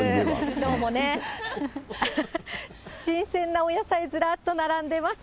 どうもね、新鮮なお野菜ずらっと並んでます。